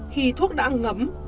khi thuốc đã ngấm